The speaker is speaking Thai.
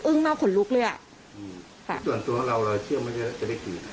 อึ้งมากขนลุกเลยอะค่ะส่วนตัวเราเราเชื่อมันจะได้คืน